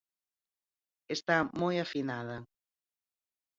Está moi afinada.